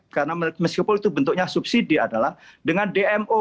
karena meskipun itu bentuknya subsidi adalah dengan dmo